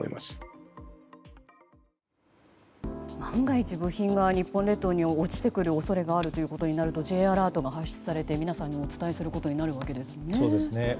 万が一部品が日本列島に落ちてくる恐れがあるとなるとＪアラートが発令されて皆さんにお伝えすることになるわけですね。